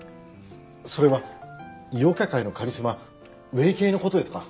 それは陽キャ界のカリスマウェイ系の事ですか？